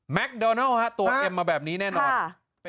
คนโดนัลตัวเต็มมาแบบนี้แน่นอน